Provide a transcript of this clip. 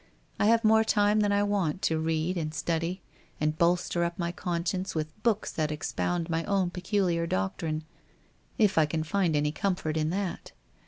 I have more time than I want to read and study, and bolster up my con science with the books that expound my own peculiar doc trine, if I can find any comfort in that.